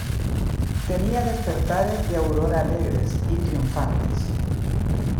tenía despertares de aurora alegres y triunfantes.